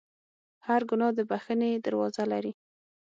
هر ګناه د بخښنې دروازه لري.